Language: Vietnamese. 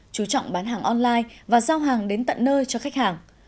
chú trọng bán hàng online và giao hàng đến tận nơi cho khách hàng